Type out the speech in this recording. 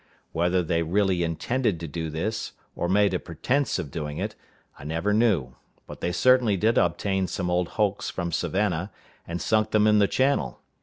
Whether they really intended to do this, or made a pretense of doing it, I never knew; but they certainly did obtain some old hulks from Savannah, and sunk them in the channel.